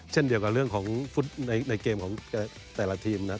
เช่นเดียวกับเรื่องในเกมของแต่ละทีม